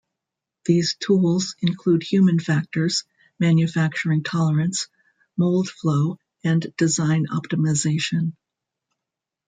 These tools include human factors, manufacturing tolerance, mould flow and design optimization.